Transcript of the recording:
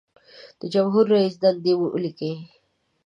د جمهور رئیس دندې ولیکئ.